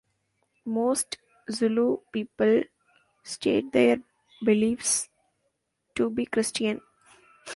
Most Zulu people state their beliefs to be Christian.